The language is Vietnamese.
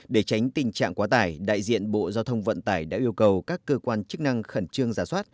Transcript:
để tránh tình trạng quá tải đại diện bộ giao thông vận tải đã yêu cầu các cơ quan chức năng khẩn trương giả soát